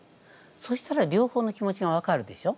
そしたら両方の気持ちが分かるでしょ。